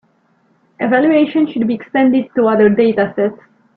Evaluation should be extended to other datasets.